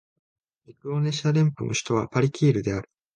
ミクロネシア連邦の首都はパリキールである